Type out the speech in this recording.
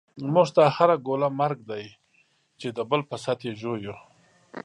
موږ ته هره ګوله مرګ دی، چی دبل په ست یی ژوویو